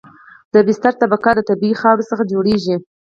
د بستر طبقه د طبیعي خاورې څخه جوړیږي